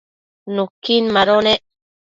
nuquin mado nec